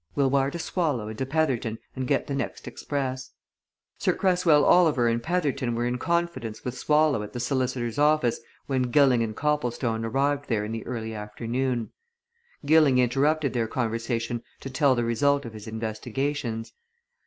We'll wire to Swallow and to Petherton and get the next express." Sir Cresswell Oliver and Petherton were in conference with Swallow at the solicitor's office when Gilling and Copplestone arrived there in the early afternoon. Gilling interrupted their conversation to tell the result of his investigations.